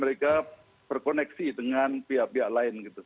mereka berkoneksi dengan pihak pihak lain gitu